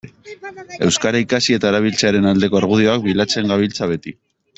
Euskara ikasi eta erabiltzearen aldeko argudioak bilatzen gabiltza beti.